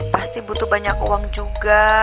pasti butuh banyak uang juga